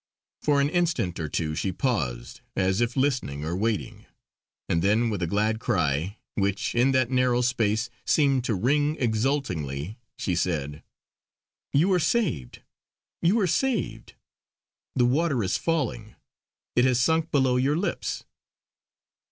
For an instant or two she paused, as if listening or waiting, and then with a glad cry, which in that narrow space seemed to ring exultingly, she said: "You are saved! You are saved! The water is falling; it has sunk below your lips."